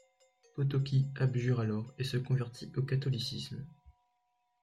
Potocki abjure alors, et se convertit au catholicisme.